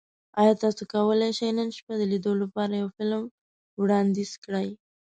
ایا تاسو کولی شئ نن شپه د لیدو لپاره یو فلم وړاندیز کړئ؟